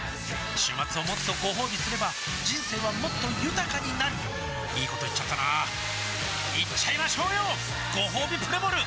週末をもっとごほうびすれば人生はもっと豊かになるいいこと言っちゃったなーいっちゃいましょうよごほうびプレモル